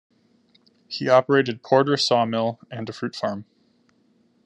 He operated Porter Sawmill and a fruit farm.